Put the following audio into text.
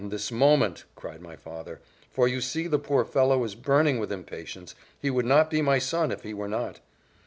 this moment!" cried my father; "for you see the poor fellow is burning with impatience he would not be my son if he were not."